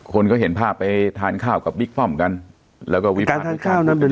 คนก็เห็นภาพไปทานข้าวกับบิ๊กป้อมกันแล้วก็วิภาพทานข้าวนั้นเป็น